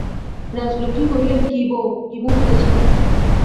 রাজলক্ষ্মী কহিলেন, কী বউ, কী ভাবিতেছ।